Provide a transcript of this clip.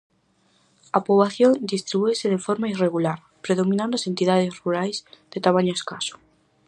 A poboación distribúese de forma irregular, predominando as entidades rurais, de tamaño escaso.